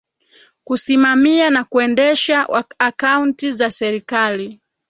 kusimamia na kuendesha akaunti za serikali